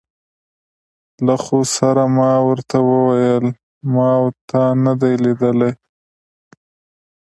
له خو سره ما ور ته وویل: ما او تا نه دي لیدلي.